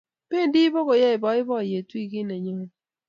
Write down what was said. bendi bukoyae boiboyet wikit neyone